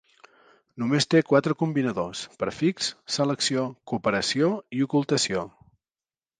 Només té quatre combinadors, "prefix", "selecció", "cooperació" i "ocultació".